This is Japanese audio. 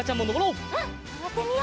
うんのぼってみよう。